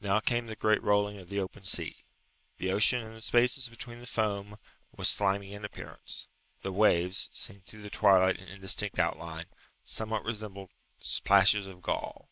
Now came the great rolling of the open sea. The ocean in the spaces between the foam was slimy in appearance. The waves, seen through the twilight in indistinct outline, somewhat resembled plashes of gall.